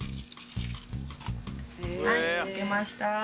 はいむけました。